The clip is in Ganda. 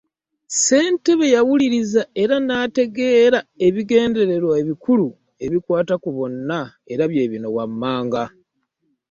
Ssentebe yawuliriza era n’ategeera ebigendererwa ebikulu ebikwata ku bonna era bye bino wammanga.